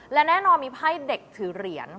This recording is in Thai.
และแน่นอนมีไพ่เด็กถือเหรียญ